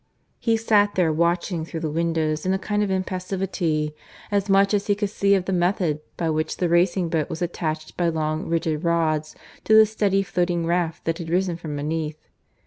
He sat there watching through the windows in a kind of impassivity, as much as he could see of the method by which the racing boat was attached by long, rigid rods to the steady floating raft that had risen from beneath.